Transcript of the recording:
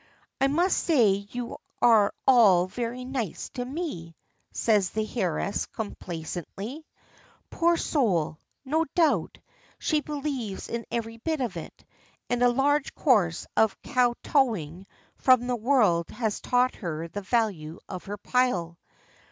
"I must say you are all very nice to me," says the heiress complacently. Poor soul! No doubt, she believes in every bit of it, and a large course of kow towing from the world has taught her the value of her pile.